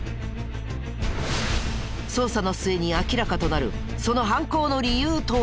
捜査の末に明らかとなるその犯行の理由とは？